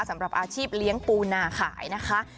สำหรับอาชีพเลี้ยงปูนาขายนะคะ